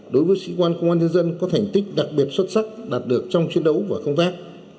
đối với sĩ quan công an nhân dân có thành tích đặc biệt xuất sắc đạt được trong chiến đấu và công tác